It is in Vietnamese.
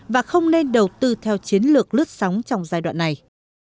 và không nên đầu tư theo chiến lược lướt sóng trong giai đoạn này